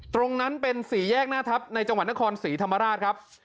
ตรงนั้นเป็นสี่แยกหน้าทัพในจังหวัดนครศรีธรรมราชครับ